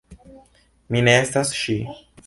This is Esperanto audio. Mi ne estas ŝi.